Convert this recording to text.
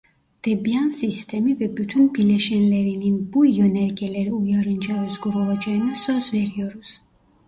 Debian sistemi ve bütün bileşenlerinin bu yönergeler uyarınca özgür olacağına söz veriyoruz.